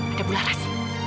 itu ibu laras